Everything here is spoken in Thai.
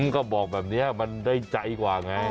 ก็บอกแบบนี้มันได้ใจกว่าไง